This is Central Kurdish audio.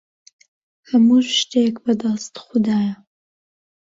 هەموو شتێک بەدەست خودایە.